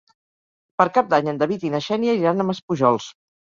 Per Cap d'Any en David i na Xènia iran a Maspujols.